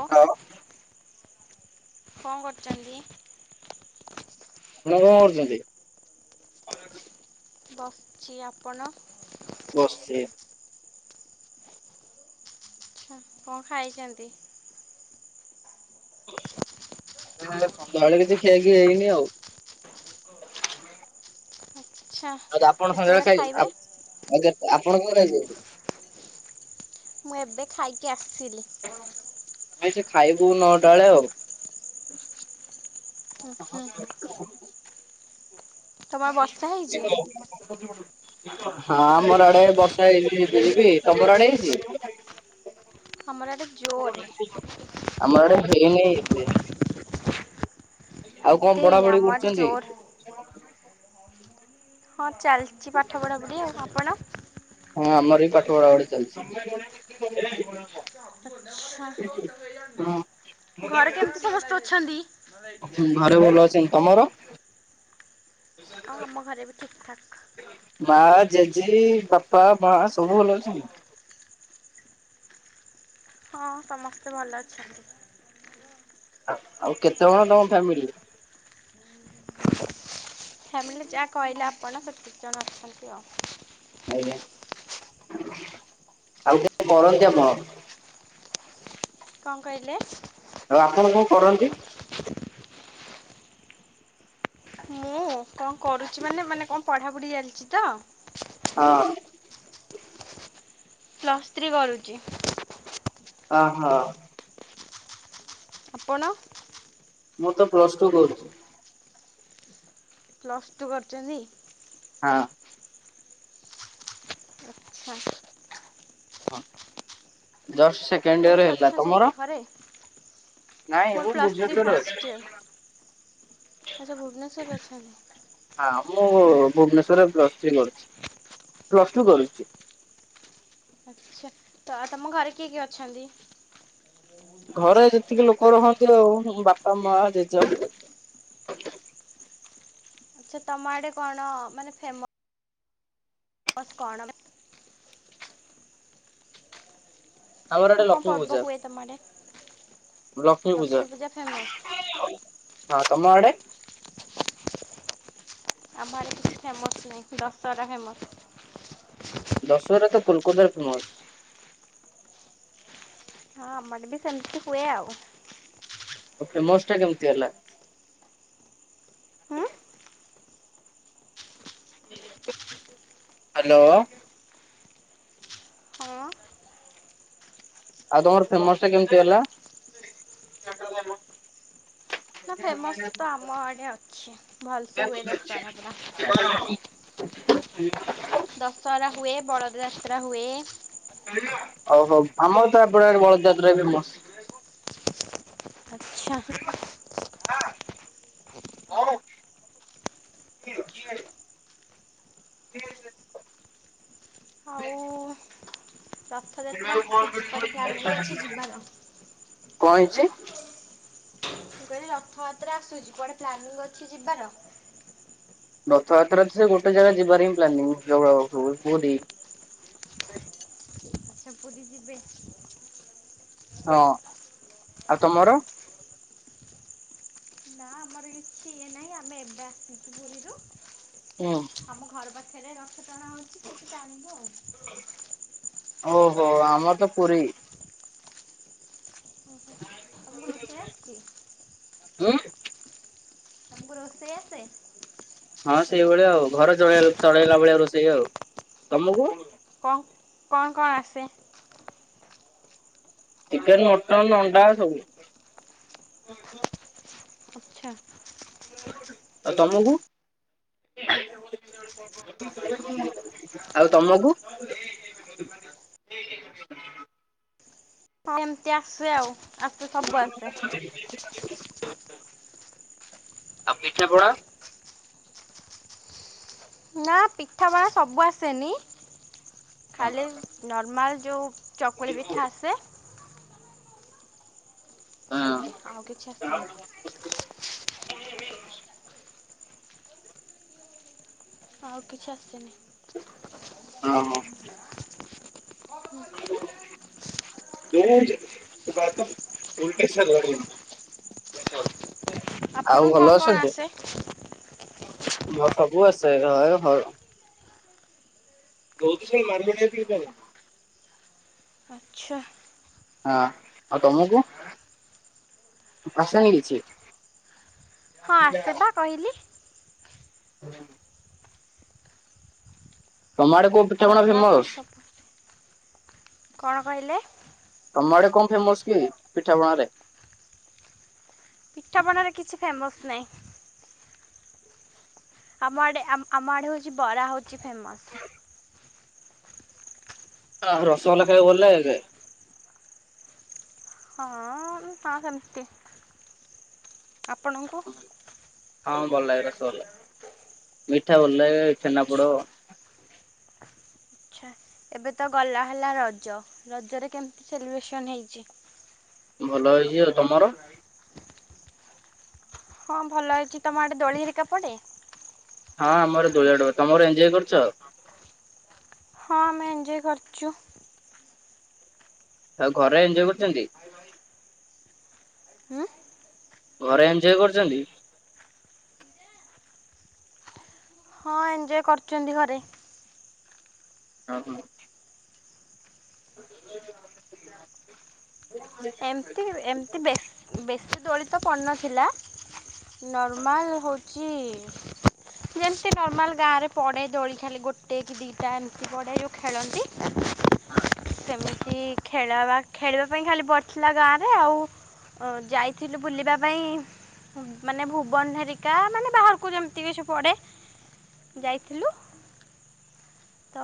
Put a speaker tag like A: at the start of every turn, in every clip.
A: ଅ
B: ଆଉ
A: କଣ କରୁଛନ୍ତି?
B: ଏଇନା କଣ କରୁଛନ୍ତି?
A: ବସ୍‌ ଚି ଆପଣ?
B: ବସ୍‌ଚି।
A: କଣ ଖାଇଛନ୍ତି?
B: ସନ୍ଧ୍ୟାବେଳେ କିଛି ଖିଆ ଖି ହେଇନି ଆଉ।
A: ହ
B: ଆଉ ଆପଣ ସନ୍ଧ୍ୟାବେଳେ
A: ଖାଇବେ?
B: ଖାଇ ଆପଣ କଣ ଖାଇଛନ୍ତି?
A: ମୁଁ ଏବେ ଖାଇକି ଆସିିଲି।
B: ଆମେ ସେ ଖାଇବୁ ନଅଟାଳେ ଆଉ।
A: ହୁଁ ହୁଁ
B: [inaudible]
A: ତମର ବର୍ଷା ହେଇଛି?
B: ହୋଉ। ହଁ ଆମର ଆଡେ ବର୍ଷା ହେଇଛି ଯିବି ଯିବି ତମର ଆଡେ ହେଇଛି?
A: ଆମର ଆଡ଼େ ଜୋରରେ
B: ଆମ ଆଡେ ହେଇନି କିଛି। ଆଉ
A: ଏତେ
B: କଣ
A: ହେଇନି
B: ପଢାପଢି
A: ଆମ ଆଡ଼େ
B: କରୁଛନ୍ତି?
A: ଜୋର ହଁ ଚାଲିଛି ପାଠପଢ଼ା ପଢ଼ି ଆଉ ଆପଣ?
B: ହଁ ଆମର ପାଠ ପଢ଼ା ପଢ଼ି ଚାଲିଛି।
A: ହଁ ଘରେ କେମିତି ସମସ୍ତେ ଅଛନ୍ତି?
B: ଘରେ ଭଲ ଅଛନ୍ତି ତମର?
A: ଆଉ ଆମ ଘରେ ବି ଠିକ୍ ଠାକ୍।
B: ମାଆ ଜେଜେ ବାପା ମାଆ ସବୁ ଭଲ ଅଛନ୍ତି।
A: [inaudible] ହଁ ସମସ୍ତେ ଭଲ ଅଛନ୍ତି।
B: ଆଉ କେତେ ଜଣ ତମ ଫ୍ୟାମିଲି?
A: ଫ୍ୟାମିଲି ଯାହା କହିଲେ ଆପଣ ସେତିକି ଜଣ ଅଛନ୍ତି ଆଉ।
B: ଆଜ୍ଞା ଆଉ କଣ କରନ୍ତି ଆପଣ?
A: କଣ କହିଲେ?
B: ଆଉ ଆପଣ କଣ କରନ୍ତି?
A: ମୁଁ କଣ କରୁଛି ମାନେ ମାନେ କଣ ପଢାପଢ଼ି ଚାଲିଛି ତ?
B: ହଁ।
A: ପ୍ଲସ୍ ଥ୍ରୀ କରୁଛି।
B: ଅହୋ।
A: ଆପଣ?
B: ମୁଁ ତ ପ୍ଲସଟୁ କରୁଛି।
A: ପ୍ଲଷ୍ଟ ଟୁ କରିୁଛନ୍ତି
B: ହଁ।
A: ହଁ।
B: ହ ଯସ୍ଟ ସେକେଣ୍ଡୟେର
A: କୋଉଠି
B: ହେଲା,
A: ଅଛନ୍ତି ଏବେ
B: ତମର?
A: ଘରେ?
B: ନାଇଁ
A: ମୋର
B: ଏବେ ମୁଁ
A: ପ୍ଲସ୍ ଥ୍ରୀ
B: ଭୁବନେଶ୍ୱର ରେ
A: ଫାଷ୍ଟ ଇୟର।
B: ଅଛି।
A: ଆଚ୍ଛା ଭୁବନେଶ୍ୱର ଅଛନ୍ତି।
B: ହଁ ମୁଁ ଭୁବନେଶ୍ରରେ ପ୍ଲସ ଥ୍ରୀ କରୁଚି, ପ୍ଲସ୍ ଟୁ କରୁଚି।
A: ଆଛା ତ ତମ ଘରେ କିଏ କିଏ ଅଛନ୍ତି?
B: ଘରେ ଯେତିକି ଲୋକ ରହନ୍ତି। ଆଉ ବାପା ମା ଜେଜ
A: ଆଚ୍ଛା ତମ ଆଡେ କଣ ମାନେ ଫେମ ମସ କଣ
B: ଆମର ଆଡେ
A: ହଁ କଣ
B: ଲକ୍ଷ୍ମୀ
A: ପର୍ବ
B: ପୂଜା।
A: ହୁଏ, ତମର ଲକ୍ଷ୍ମୀ ପୂଜା ଫେମସ୍।
B: ହଁ ତମ ଆଡେ?
A: ଆମ ଆଡେ କିଛି ଫେମସ୍ ନାହିଁ ଦଶହରା ଫେମ
B: ଦଶହରା ତ କୋଲକାତାର ଫେମସ।
A: ହଁ ଆମର ବି ସେମିତି ହୁଏ ଆଉ।
B: ଫେମସ ଟା କେମିତି ହେଲା?
A: ହୁଁ
B: ହ୍ୟାଲୋ।
A: ହଁ
B: ଆଉ ତମର ଫେମସ ଟା କେମିତି ହେଲା?
A: ନା ଫେମସ ତ ଆମ ଆଡେ ଅଛି, ଭଲସେ ହୁଏ ଦଶହରା ପୁରା।
B: ହୁଁ।
A: ଦଶହରା ହୁଏ ବଳଦ ଯାତ୍ରା ହୁଏ।
B: ଓ ହୋ ଆମର ତ ଏପଟ ଆଡେ ବଳ ଯାତ୍ରା ଫେମସ।
A: ଆଚ୍ଛା।
B: ଆ
A: ଆଉ
B: [unintelligible] କଣ
A: ରଥଯାତ୍ରା ଆସୁଛି କୁଆଡ଼େ ପ୍ଲାନିଂ ଅଛି ଯିବାର
B: ହେଇଚି?
A: ମୁଁ କହିଲେ ରଥଯାତ୍ରା ଆସୁଚି, କୁଆଡେ ପ୍ଲାନିଂ ଅଛି ଯିବାର?
B: ରଥଯାତ୍ରା ସେ ଗୋଟେ ଜାଗା ଯିବାର ହ ପ୍ଲାନିଂ ଯ ପୁରୀ
A: [unintelligible] ପୁରୀ ଯିବେ।
B: ହଁ ଆଉ ତମର?
A: ନା ଆମର କିଛି ଇଏ ନାହିଁ ଆମେ ଏବେ ଆସିଚୁ ପୁରୀରୁ
B: ହୁଁ
A: ଆମ ଘର ପାଖ ପାଖରେ ରଥ ଟଣା ହୋଉଚି ସେଠୀ ଟାଣୀବୁ ଆଉ।
B: ଓହୋ ଆମର ତ ପୁରୀ।
A: ଓହୋ। ତମକୁ ରୋଷେଇ ଆସଚି?
B: ହୁ।
A: ତମକୁ ରୋଷେଇ ଆସେ?
B: ହଁ ସେଇଭଳିଆ ଆଉ ଘର ଚଳେଇ ଚଳେଇଲା ଭଳିଆ ରୋଷେଇ, ଆଉ ତମକୁ?
A: କଣ କଣ କଣ ଆସେ?
B: ଚିକେନ୍, ମଟନ, ଅଣ୍ଡା ସବୁ। [unintelligible]
A: ଆଚ୍ଛା।
B: ଆଉ ତମକୁ? ଆଉ ତମକୁ?
A: ଏମିତି ଆସେ, ଆଉ ଆସେ ସବୁ ଆସେ।
B: ଆଉ ପିଠେ ପଣା?
A: ନା ପିଠାପଣା ସବୁ ଆସେନି ଖାଲି ନର୍ମାଲ ଯୋଉ ଚକଳି ପିଠା ଆସେ। ଟିକେ
B: ହଁ
A: ଆଉ କିଛି ଆସେନି। ଆଉ କିଛି ଆସେନି।
B: ଅ ହଁ। [inaudible] ମୁଁ ଜ ଗତ ଭୁବନେଶ୍ୱରରେ ରହିଲିଣି।
A: ଆପଣଙ୍କୁ କଣ କଣ ଆସେ?
B: ମୋତେ ସବୁ ଆସେ ହଁ ରୁ ହଁ। ଦଉ କି ସେଇ ମରିବେଣି ଏତିକି ପରେ।
A: ଆଚ୍ଛା
B: ହଁ ଆଉ ତମକୁ? ଆସେନି କିଛି।
A: ହଁ ଆସେ ପା କହିଲି।
B: ତମ ଆଡେ କୋଉ ପିଠା ପଣା
A: ଆସେ ପା
B: ଫେମସ
A: କହିଲି ସବୁ ଆସେ। କଣ କହିଲେ?
B: ତମ ଆଡେ କଣ ଫେମସ କି ପିଠାପଣାରେ?
A: ପିଠା ପଣା ରେ କିଛି ଫେମସ୍ ନାହିଁ। ଆମ ଆଡେ ଆମ ଆମ ଆଡେ ହଉଚି ବରା ହଉଚି ଫେମସ।
B: ହଁ ରସଗୋଲା ଖାଇବାକୁ ଭଲ ଲାଗିଥାଏ?
A: ହଁ ତା ସେମିତି ଆପଣଙ୍କୁ?
B: ହଁ ଭଲ ଲାଗେ ରସଗୋଲ ମିଠା ଭଲ ଲାଗେ ଛେନାପୋଡ।
A: ଆଚ୍ଛା ଏବେ ତ ଗଲା ହେଲା ରଜ ରଜରେ କେମିତି ସେଲିବ୍ରେସନ ହେଇଛି?
B: ଭଲ ହେଇଛି ଆଉ ତମର।
A: ହଁ ଭଲ ହେଇଚି ତମ ଆଡେ ଦୋଳି ହେରିକା ପଡ଼େ?
B: ହଁ ଆମର ଦୋଳି ଆଡ ହୁଏ ତମର ଏଞ୍ଜୋୟ କରୁଚ।
A: ହଁ ଆମେ ଏଞ୍ଜୋୟ କରିଚୁ।
B: ଆଉ ଘରେ ଏଞ୍ଜୋୟ କରିଚନ୍ତି।
A: ହୁଁ।
B: ଘରେ ଏଞ୍ଜୋୟ କରିଚନ୍ତି?
A: ଏଞ୍ଜୋୟ କରିଚନ୍ତି ଘରେ।
B: ଅ ହ।
A: ଏମିତି ଏମିତି ବେଶ ବେଶୀ ଦୋଳି ତ ପଡ଼ିନଥିଲା। ନର୍ମାଲ ହଉଛି। ଯେମିତି ନର୍ମାଲ ଗାଁରେ ପଡ଼େ ଦୋଳି ଖାଲି ଗୋଟେ କି ଦିଇଟା ଏମିତି ପଡ଼େ ଯଉ ଖେଳନ୍ତି। ସେମିତି ଖେଳବା ଖେଳିବା ପାଇଁ ଖାଲି ପଡିଥିଲା ଗାଁରେ ଆଉ। ଓ ଯାଇଥିଲୁ ବୁଲିବା ପାଇଁ। ଉଁ ମାନେ ଭୁବନ ହେରିକା ମାନେ ବାହାରକୁ ଯେମିତି କିଛି ପଡ଼େ। ଯାଇଥିଲୁ। ତ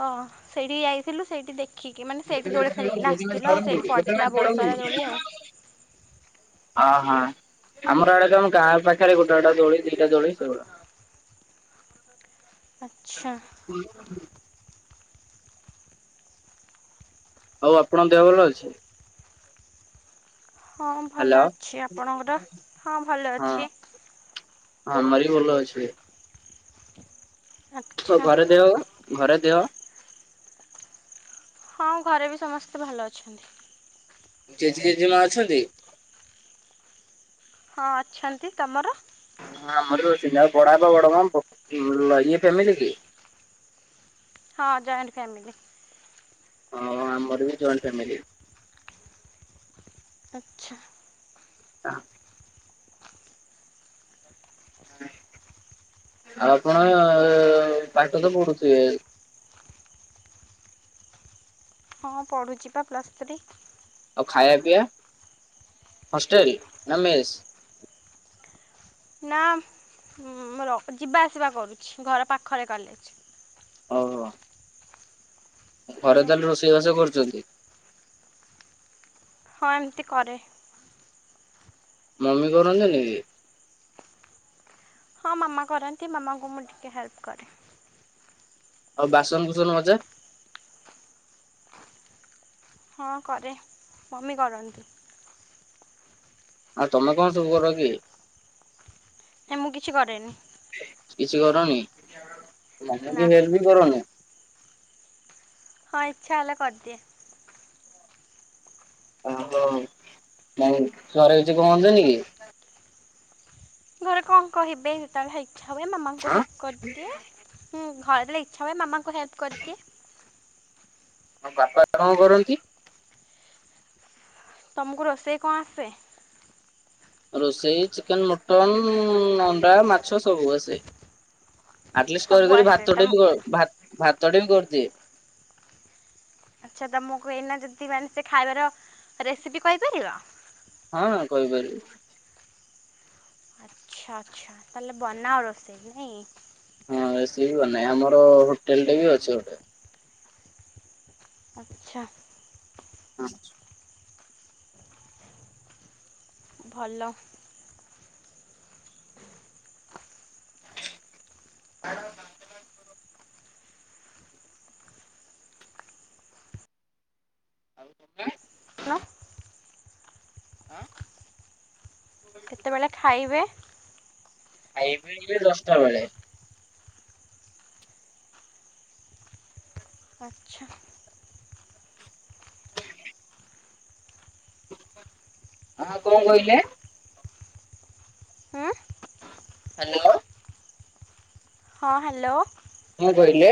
A: ସେଇଠି ଯାଇଥିଲୁ ସେଇଠି ଦେ ଦେଖିକି ମାନେ ସେଇଠି ଦୋଳି ଖେଳିକି ନା ଆସିଥିଲୁ ଆଉ ସେଇଠି ପଡ଼ିଥିଲା ବହୁତ ସାରା ଦୋଳି ଆଉ।
B: ଓହୋ ଆମର ଆଡେ ଯଉ ଆମ ଗାଁ ପାଖରେ ଗୋଟେ ଗୋଟେ ଦୋଳି ଦିଟା ଦୋଳି ସେ ଗୁଡା।
A: ଆଚ୍ଛା।
B: ଆଉ ଆପଣଙ୍କ ଦେହ ଭଲ ଅଛି?
A: ହଁ
B: ହ୍ୟାଲୋ
A: ଭଲ ଅଛି। ଆପଣଙ୍କର? ହଁ ଭଲ ଅଛି।
B: ହଁ ମୋର ବି ଭଲ ଅଛି।
A: ଆଚ୍ଛା
B: ଘରେ ଦେହ ପା ଘରେ ଦେହ।
A: ହଁ ଘରେ ବି ସମସ୍ତେ ଭଲ ଅଛନ୍ତି।
B: ଜେଜେ ଜେଜେମା ଅଛନ୍ତି?
A: ହଁ ଅଛନ୍ତି। ତମର?
B: ହଁ ଆମର ବି ଅଛନ୍ତି। ଆଉ ବଡ ବାପା ବଡ଼ ମା ବ ଉଁ ଆ ଈଏ ଫ୍ୟାମିଲି କି?
A: ହଁ ଜଏଣ୍ଟ ଫ୍ୟମିଲି।
B: ହଁ ଆମର ବି ଜଏଣ୍ଟ ଫ୍ୟମିଲି।
A: ଆଚ୍ଛା।
B: ହ। ଆଉ ଆପଣ, ପାଠ ତ ପଢୁଥିବେ?
A: ହଁ ପଢୁଛି ବା ପ୍ଲସ୍ ଥ୍ରୀ।
B: ଆଉ ଖାଇବା, ପିଇବା ହଷ୍ଟେଲ ନା ମେଶ୍?
A: ନା, ମୁଁ ରହୁ- ଯିବା ଆସିବା କରୁଛି। ଘର ପାଖରେ କଲେଜ।
B: ଓହୋ। ଘରେ
A: ହୁଁ
B: ତାହେଲେ ରୋଷେଇ ବାସ କରୁଛନ୍ତି?
A: ହଁ ଏମିତି କରେ।
B: ମମି କରନ୍ତିନି କି?
A: ହଁ ମାମା କରନ୍ତି। ମାମାଙ୍କୁ ମୁଁ ଟିକେ ହେଲ୍ପ କରେ।
B: ଆଉ ବାସନ କୁସନ ମଜା?
A: ହଁ କରେ। ମମି କରନ୍ତି।
B: ଆଉ ତମେ କଣ ସବୁ କର କି?
A: ମୁଁ କିଛି କରେନି।
B: କିଛି କରନି? ମମି କୁ
A: ନା
B: ବି ହେଲ୍ପ ବି କରନି?
A: ହଁ ଇଚ୍ଛା ହେଲେ କରିଦିଏ।
B: ଓହୋ। ଆଉ ଘରେ କିଛି କହଛନ୍ତିନି କି?
A: ଘରେ କଣ କହିବେ? ଯେତେବେଳେ ଇଚ୍ଛା ହୁଏ ମାମାଙ୍କୁ
B: ଆଁ
A: ହେଲ୍ପ କରିଦିଏ। ହୁଁ। ଘରେ ଯେତେବେଳେ ଇଚ୍ଛା ହୁଏ ମାମାଙ୍କୁ ହେଲ୍ପ କରିଦିଏ।
B: ଆଉ ବାପା କଣ କରନ୍ତି?
A: ତମକୁ ରୋଷେଇ କଣ ଆସେ?
B: ରୋଷେଇ ଚିକେନ, ମଟନ, ଅଣ୍ଡା, ମାଛ ସବୁ ଆସେ। ଆଟଲିଷ୍ଟ କରି
A: ସବୁ
B: କରି ଦେଲେ,
A: ଆସେ
B: ଭାତଟା
A: ତମ
B: ବି ହେଇଯିବ। ଭାତ-ଭାତଟେ ବି କରିଦିଏ।
A: ଆଚ୍ଛା ତମକୁ ଏଇନା ଯଦି, ମାନେ ସେ ଖାଇବାର, ରେସିପି କହିପାରିବ?
B: ହଁ [unintelligible]
A: ଆଚ୍ଛା ଆଚ୍ଛା। ତାହେଲେ ବନାଅ ରୋଷେଇ ନାଇଁ।
B: ହଁ ରୋଷେଇ ବନାଏ। ଆମର ହୋଟେଲ ଟେ ବି ଅଛି ଗୋଟେ।
A: ଆଚ୍ଛା।
B: ଆଛା।
A: ଭଲ।
B: ଆଉ ତମେ? ଆଁ।
A: କେତେବେଳେ ଖାଇବେ?
B: ଖାଇବି ଦଶଟା ବେଳେ।
A: ଆଚ୍ଛା।
B: ଆଉ କଣ କହିଲେ?
A: ହୁଁ
B: ହାଲୋ।
A: ହଁ ହାଲୋ।
B: କଣ କହିଲେ?